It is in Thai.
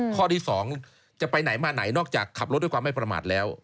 ข้อที่๒จะไปไหนมาไหนนอกจากขับรถด้วยความไม่ประมาทแล้ว